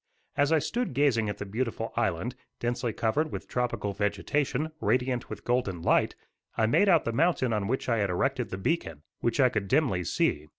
As I stood gazing at the beautiful island, densely covered with tropical vegetation, radiant with golden light, I made out the mountain on which I had erected the beacon, which I could dimly see.